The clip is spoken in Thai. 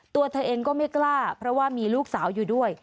ตัวเธอเองก็ไม่กล้าเพราะว่ามีลูกสาวอยู่ด้วย